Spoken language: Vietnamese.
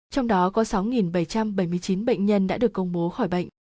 trong đó có sáu bảy trăm bảy mươi chín bệnh nhân đã được công bố khỏi bệnh